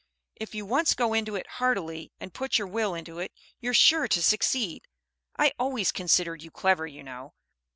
If you once go into it heartily and put your will into it, you're sure to succeed. I always considered you clever, you know.